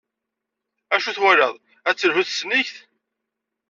Acu twalaḍ, ad telhu tesnigt?